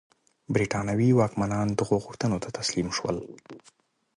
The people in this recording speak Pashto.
برېټانوي واکمنان دغو غوښتنو ته تسلیم شول.